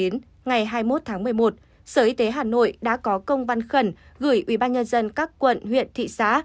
ngày hai mươi một tháng một mươi một sở y tế hà nội đã có công văn khẩn gửi ubnd các quận huyện thị xã